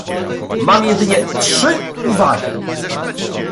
Mam jedynie trzy uwagi